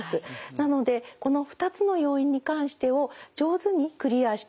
なのでこの２つの要因に関してを上手にクリアしていく。